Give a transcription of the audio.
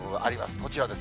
こちらです。